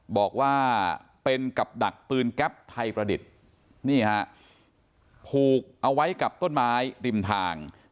บอกว่าเป็นกับดักปืนแก๊ปไทยประดิษฐ์นี่ฮะผูกเอาไว้กับต้นไม้ริมทาง